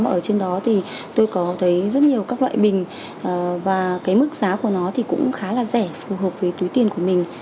ở trên đó thì tôi có thấy rất nhiều các loại bình và cái mức giá của nó thì cũng khá là rẻ phù hợp với túi tiền của mình